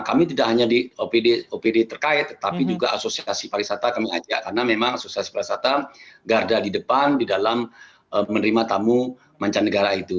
kami tidak hanya di opd terkait tetapi juga asosiasi pariwisata kami ajak karena memang asosiasi pariwisata garda di depan di dalam menerima tamu mancanegara itu